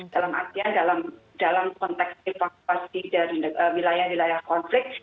dalam konteks evakuasi dari wilayah wilayah konflik